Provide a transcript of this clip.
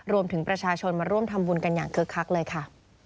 รวมถึงประชาชนมาร่วมทำบุญกันอย่างคึกคักเลยค่ะ